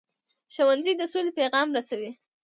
ښوونځی د سولې پیغام رسوي